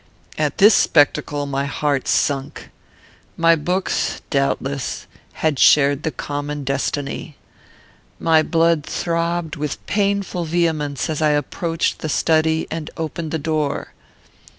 At this spectacle my heart sunk. My books, doubtless, had shared the common destiny. My blood throbbed with painful vehemence as I approached the study and opened the door.